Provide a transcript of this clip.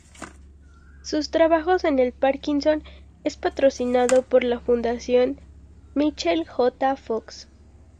Sus trabajos en el Parkinson es patrocinado por la Fundación Michael J. Fox.